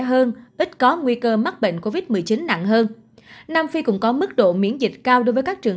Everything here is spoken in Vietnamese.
hơn ít có nguy cơ mắc bệnh covid một mươi chín nặng hơn nam phi cũng có mức độ miễn dịch cao đối với các trường